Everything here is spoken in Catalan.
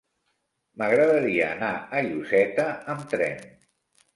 M'agradaria anar a Lloseta amb tren.